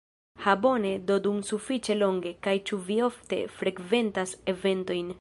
Ha bone do dum sufiĉe longe! kaj ĉu vi ofte frekventas eventojn